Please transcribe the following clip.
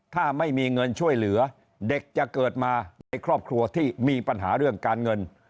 ถ้าไม่มีเงินช่วยเหลือเด็กจะเกิดมาในครอบครัวที่มีปัญหาเรื่องการเงิน